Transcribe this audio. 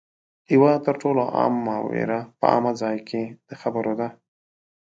یوه تر ټولو عامه وېره په عامه ځای کې د خبرو ده